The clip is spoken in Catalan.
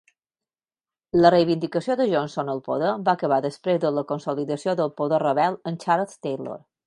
La reivindicació de Johnson al poder va acabar després de la consolidació del poder rebel amb Charles Taylor.